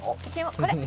「これ！」